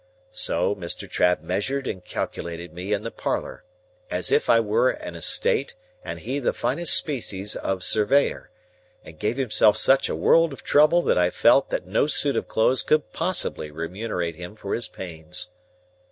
So, Mr. Trabb measured and calculated me in the parlour, as if I were an estate and he the finest species of surveyor, and gave himself such a world of trouble that I felt that no suit of clothes could possibly remunerate him for his pains.